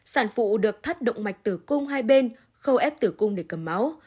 sản phụ được thắt động mạch tử cung hai bên khâu ép tử cung để cầm máu